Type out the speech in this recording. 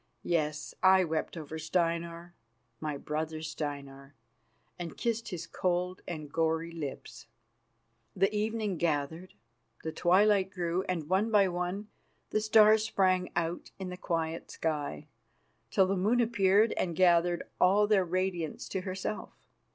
Yes, I wept over Steinar, my brother Steinar, and kissed his cold and gory lips. The evening gathered, the twilight grew, and, one by one, the stars sprang out in the quiet sky, till the moon appeared and gathered all their radiance to herself.